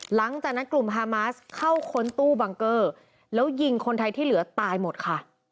หลังจากนั้นกลุ่มฮามาสเข้าค้นตู้บังเกอร์แล้วยิงคนไทยที่เหลือตายหมดค่ะ